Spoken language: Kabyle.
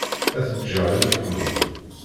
Ad t-ǧǧeɣ i leḥmu.